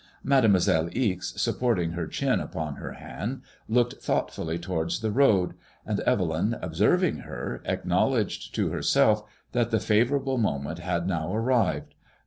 Mademoiselle Ixe, supporting her chin upon her hand, looked thoughtfully towards the road, and Evelyn, observing her, ac knowledged to herself that the favourable moment had now arrived.